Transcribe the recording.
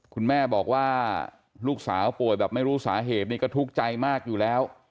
คุณแม่บอกว่าลูกสาวป่วยแบบไม่รู้สาเหตุนี่ก็ทุกข์ใจมากอยู่แล้ว